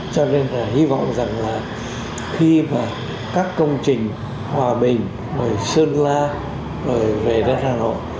cho nên là hy vọng rằng là khi mà các công trình hòa bình sơn la về đất hà nội